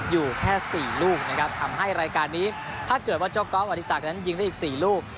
อยู่แค่๔ลูกนะครับทำให้รายการนี้ถ้าเกิดว่าเจ้าก๊อฟอธิศักดิ์นั้นยิงได้อีก๔ลูก